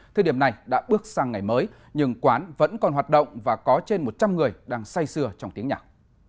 thời điểm này đã bước sang ngày mới nhưng quán vẫn còn hoạt động và có trên một trăm linh người đang say sưa trong tiếng nhạc